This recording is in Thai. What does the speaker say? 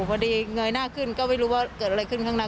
เงยหน้าขึ้นก็ไม่รู้ว่าเกิดอะไรขึ้นข้างใน